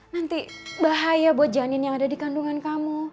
nanti bahaya buat janin yang ada di kandungan kamu